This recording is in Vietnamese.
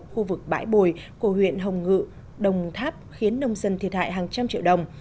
khu vực bãi bồi của huyện hồng ngự đồng tháp khiến nông dân thiệt hại hàng trăm triệu đồng